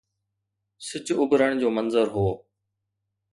سج اڀرڻ جو منظر هو.